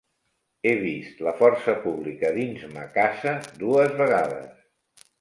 He vist la força pública dins ma casa dues vegades.